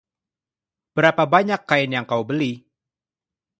Berapa banyak kain yang kau beli?